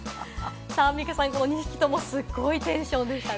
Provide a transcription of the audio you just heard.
アンミカさん、２匹ともすごいテンションでしたね。